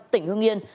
tỉnh hương yên